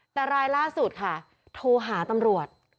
แต่รายล่าสุดค่ะโทรหาตำรวจ